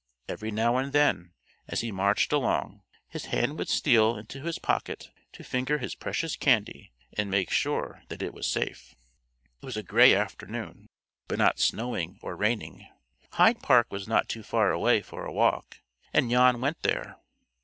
Every now and then, as he marched along, his hand would steal into his pocket to finger his precious candy and make sure that it was safe. It was a gray afternoon, but not snowing or raining. Hyde Park was not too far away for a walk, and Jan went there.